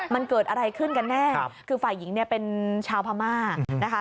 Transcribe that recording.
มันเกิดอะไรขึ้นกันแน่คือฝ่ายหญิงเป็นชาวพามา